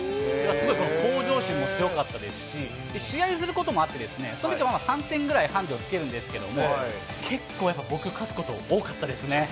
すごい向上心もすごかったですし、試合することもあって、そのときはまだ３点ぐらいハンデをつけるんですけども、結構やっぱり、僕が勝つことが多かったですね。